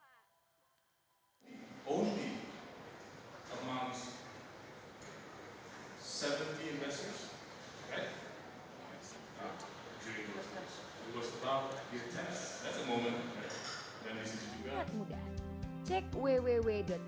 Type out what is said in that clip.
terus sampai sekarang itu masih berlaku